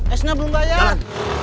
esnya belum bayar